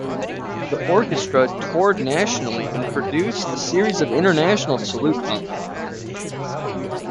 The orchestra toured nationally and produced a series of international salute concerts.